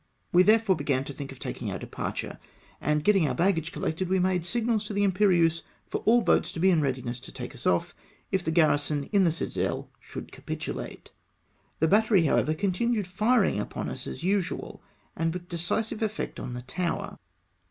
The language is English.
We therefore began to think of taking our departure, and getting our baggage collected, we made signals to the Imperieuse for all boats to be in readiness to take us off, if the garrison in the citadel should capitulate. The battery, however, contmued firing upon us as usual, and with decisive effect on the tower.